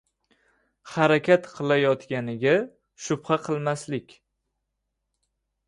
harakat qilayotganiga shubha qilmaslik